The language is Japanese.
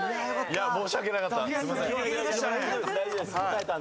申し訳なかった。